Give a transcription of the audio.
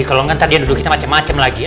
kalau enggak ntar dia duduk kita macem macem lagi